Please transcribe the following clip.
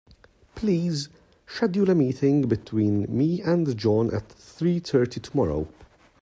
Please schedule a meeting between me and John at three thirty tomorrow.